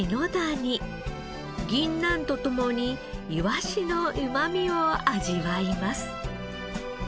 ギンナンと共にいわしのうまみを味わいます。